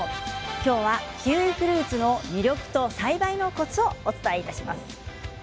きょうはキウイフルーツの魅力と栽培のコツをお伝えします。